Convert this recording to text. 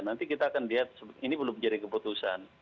nanti kita akan lihat ini belum jadi keputusan